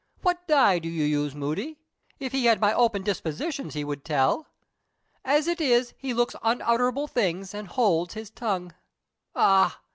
What dye do you use, Moody? If he had my open disposition he would tell. As it is, he looks unutterable things, and holds his tongue. Ah!